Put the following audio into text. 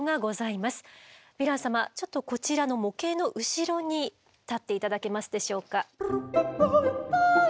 ちょっとこちらの模型の後ろに立って頂けますでしょうか。